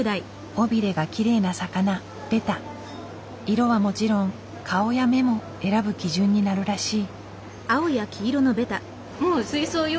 色はもちろん顔や目も選ぶ基準になるらしい。